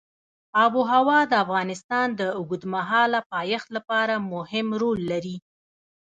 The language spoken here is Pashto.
آب وهوا د افغانستان د اوږدمهاله پایښت لپاره مهم رول لري.